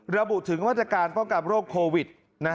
ระบุถึงมาตรการป้องกันโรคโควิด